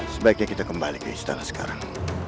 sebaiknya kita kembali ke istana sekarang